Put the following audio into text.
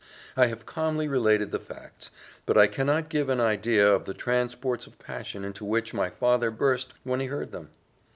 I have calmly related the facts, but I cannot give an idea of the transports of passion into which my father burst when he heard them.